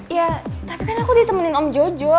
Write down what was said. ya tapi kan aku ditemenin om jojo